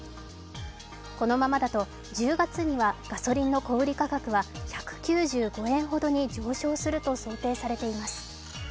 このままだと１０月にはガソリンの小売価格は１９５円ほどに上昇すると想定されています。